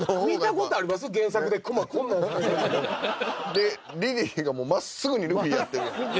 でリリーがもう真っすぐにルフィやってる。